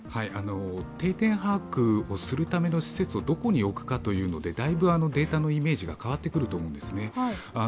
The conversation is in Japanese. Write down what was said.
定点把握をするための施設をどこに置くかというのでだいぶデータのイメージが変わってくると思うんですね。